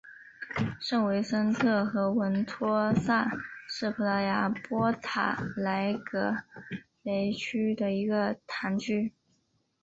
圣维森特和文托萨是葡萄牙波塔莱格雷区的一个堂区。